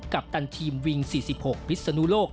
ปตันทีมวิง๔๖พิศนุโลก